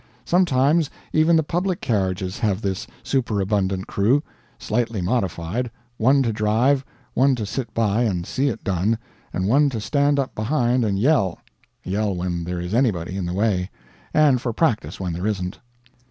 Sometimes even the public carriages have this superabundant crew, slightly modified one to drive, one to sit by and see it done, and one to stand up behind and yell yell when there is anybody in the way, and for practice when there isn't.